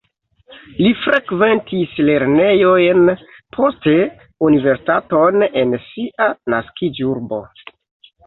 Li frekventis lernejojn, poste universitaton en sia naskiĝurbo.